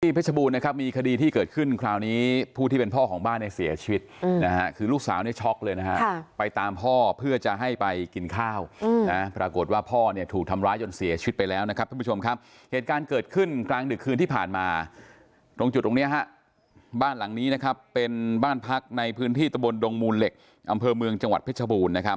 ที่เพชรบูรณ์นะครับมีคดีที่เกิดขึ้นคราวนี้ผู้ที่เป็นพ่อของบ้านในเสียชีวิตนะฮะคือลูกสาวเนี่ยช็อคเลยนะฮะไปตามพ่อเพื่อจะให้ไปกินข้าวนะฮะปรากฏว่าพ่อเนี่ยถูกทำร้ายจนเสียชีวิตไปแล้วนะครับเพื่อนผู้ชมครับเหตุการณ์เกิดขึ้นกลางดึกคืนที่ผ่านมาตรงจุดตรงเนี้ยฮะบ้านหลังนี้นะครับเป็นบ้